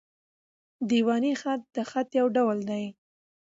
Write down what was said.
دېواني خط؛ د خط یو ډول دﺉ.